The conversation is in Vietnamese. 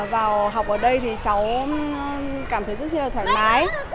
vào học ở đây thì cháu cảm thấy rất là thoải mái